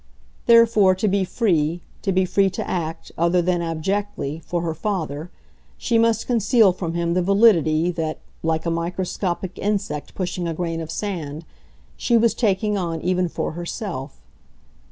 Therefore to be free, to be free to act, other than abjectly, for her father, she must conceal from him the validity that, like a microscopic insect pushing a grain of sand, she was taking on even for herself.